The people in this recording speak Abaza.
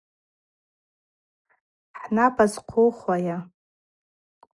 Хӏнапа зхӏхъухуайа?